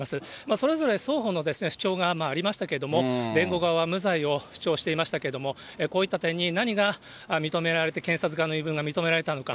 それぞれ、双方の主張がありましたけれども、弁護側は無罪を主張していましたけれども、こういった点に何が認められて、検察側の言い分が認められたのか。